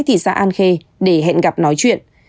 thị xã an khê để hẹn gặp nói chuyện